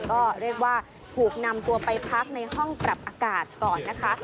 ก็เรียกว่าถูกนำตัวไปพักในห้องปรับอากาศก่อนนะคะ